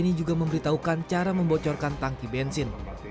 ini juga memberitahukan cara membocorkan tangki bensin